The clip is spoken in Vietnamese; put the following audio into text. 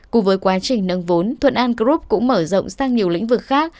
cùng với quá trình nâng vốn thuận an group cũng mở rộng sang nhiều lĩnh vực khác